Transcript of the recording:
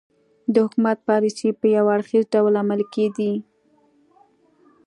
د حکومت پالیسۍ په یو اړخیز ډول عملي کېدې.